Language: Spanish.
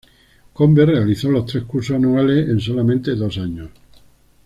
Combes realizó los tres cursos anuales en solamente dos años.